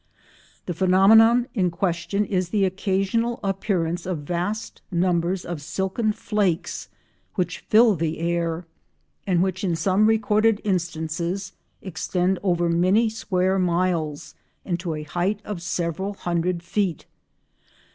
The phenomenon in question is the occasional appearance of vast numbers of silken flakes which fill the air, and which in some recorded instances extend over many square miles and to a height of several hundred feet.